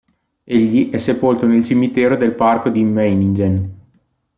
Egli è sepolto nel cimitero del parco di Meiningen.